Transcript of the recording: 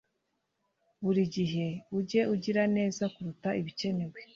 buri gihe ujye ugira neza kuruta ibikenewe